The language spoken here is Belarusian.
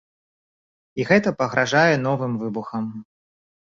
І гэта пагражае новым выбухам.